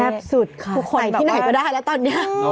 แซ่บสุดค่ะใส่ทีไหนก็ได้ละตอนนี้